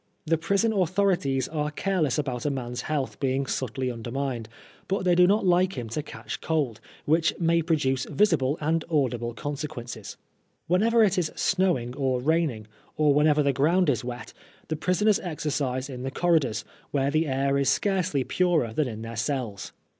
The prison authorities are careless about a man's health being subtly undermined, but they do not like him to catch cold, which may produce visible and audible consequences. Whenever it is snowing or raining, or whenever the ground is wet, the prisoners exercise in the corridors, where the air is scarcely purer than in their cells.